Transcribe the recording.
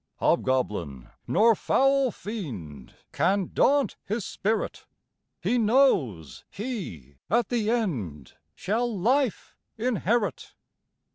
"Hobgoblin nor foul fiend Can daunt his spirit; He knows he at the end Shall life inherit.